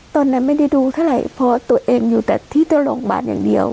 ตอนนั้นไม่ได้ดูเท่าไหร่เพราะตัวเองอยู่แต่ที่เจ้าโรงพยาบาลอย่างเดียว